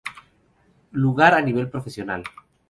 Lugar a Nivel Profesional.